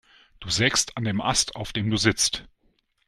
Du sägst an dem Ast, auf dem du sitzt.